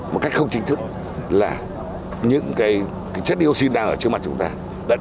một cách không chính thức là những cái chất dioxin đang ở trước mặt chúng ta